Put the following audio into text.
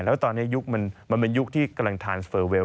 แล้วตอนนี้ยุคมันเป็นยุคที่กำลังทานเฟอร์เวล